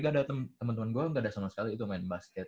gak ada teman teman gue gak ada sama sekali itu main basket